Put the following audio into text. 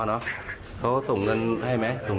ลูกนี้ลูกคนมีรักเรียง